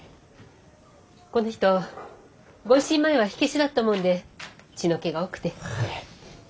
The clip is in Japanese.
この人御一新前は火消しだったもんで血の気が多くて。